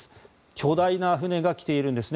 巨大な船が来ているんですね。